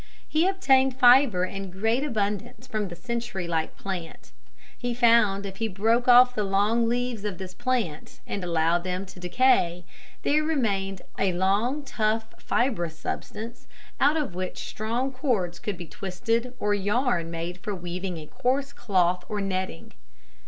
He obtained fibre in great abundance from the century like plant. He found if he broke off the long leaves of this plant and allowed them to decay there remained a long, tough fibrous substance out of which strong cords could be twisted or yarn made for weaving a coarse cloth or netting.